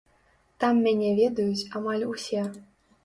Там мяне ведаюць амаль усе.